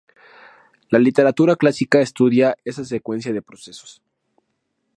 La literatura clásica estudia esa secuencia de procesos.